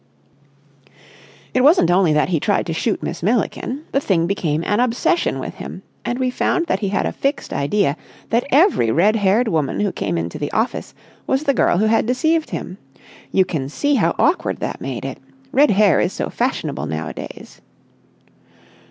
It wasn't only that he tried to shoot Miss Milliken. The thing became an obsession with him, and we found that he had a fixed idea that every red haired woman who came into the office was the girl who had deceived him. You can see how awkward that made it. Red hair is so fashionable now a days."